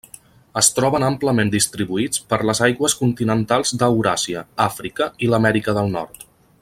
Es troben amplament distribuïts per les aigües continentals d'Euràsia, Àfrica i l'Amèrica del Nord.